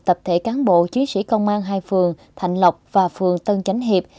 lập thể cán bộ chiến sĩ công an hai phường thành lọc và phường tân chánh hiệp